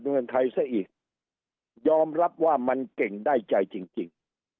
เมืองไทยซะอีกยอมรับว่ามันเก่งได้ใจจริงจริง